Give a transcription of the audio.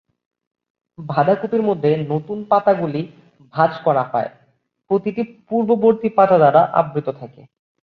বাঁধাকপির মধ্যে, নতুন পাতাগুলি ভাঁজ করা হয়, প্রতিটি পূর্ববর্তী পাতা দ্বারা আবৃত থাকে।